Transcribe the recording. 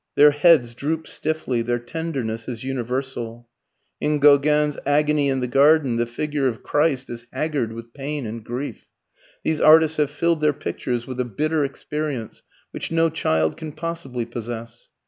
Their heads droop stiffly; their tenderness is universal. In Gauguin's "Agony in the Garden" the figure of Christ is haggard with pain and grief. These artists have filled their pictures with a bitter experience which no child can possibly possess.